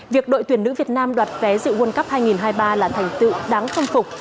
việc đội tuyển nữ việt nam đoạt vé dự world cup hai nghìn hai mươi ba là thành tựu đáng khâm phục